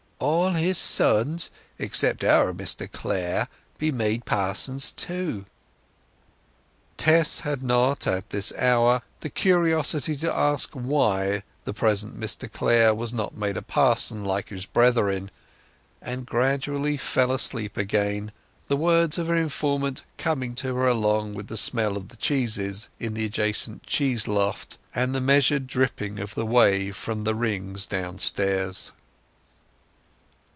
All his sons, except our Mr Clare, be made pa'sons too." Tess had not at this hour the curiosity to ask why the present Mr Clare was not made a parson like his brethren, and gradually fell asleep again, the words of her informant coming to her along with the smell of the cheeses in the adjoining cheeseloft, and the measured dripping of the whey from the wrings downstairs.